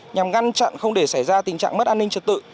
nhằm ngăn chặn không để xảy ra tình trạng mất an ninh trật tự